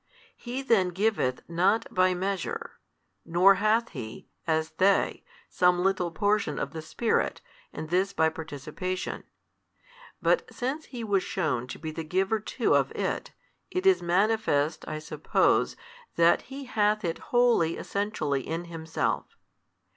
He then giveth not by measure, nor hath He, as they, some little portion of the Spirit, and this by participation: but since He was shewn to be the Giver too of It, it is manifest I suppose that He hath It wholly Essentially in Himself.